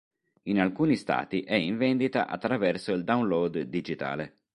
In alcuni stati è in vendita attraverso il download digitale.